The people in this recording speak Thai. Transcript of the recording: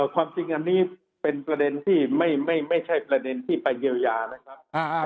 ความจริงอันนี้เป็นประเด็นที่ไม่ใช่ประเด็นที่ไปเยียวยานะครับ